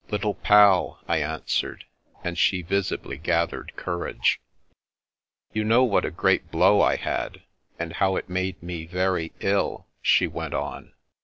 " Little Pal," I answered, and she visibly gathered courage. " You know what a great blow I had, and how it made me very ill," she went on.